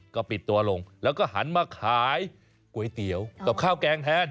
ก็ปิดตัวลงแล้วก็หันมาขายก๋วยเตี๋ยวกับข้าวแกงแทน